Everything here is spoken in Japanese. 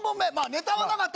ネタはなかった。